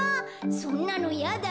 そんなのやだよ。